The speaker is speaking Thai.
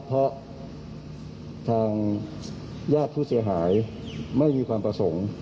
เพราะทางญาติผู้เสียหายไม่มีความประสงค์